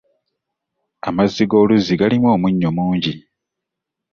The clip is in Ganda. Amazzi g'oluzzi galimu omunnyo mungi.